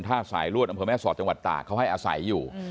สายลวดอำเภอแม่สอดจังหวัดตากเขาให้อาศัยอยู่